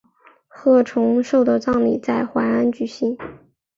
郝崇寿的葬礼在淮安举行。